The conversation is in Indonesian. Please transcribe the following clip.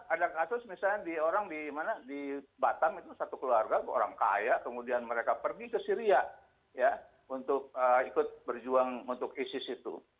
ada kasus misalnya di batam itu satu keluarga orang kaya kemudian mereka pergi ke syria untuk ikut berjuang untuk isis itu